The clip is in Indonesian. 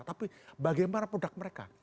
tapi bagaimana produk mereka